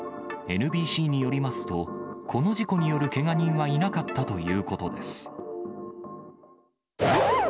ＮＢＣによりますと、この事故によるけが人はいなかったということです。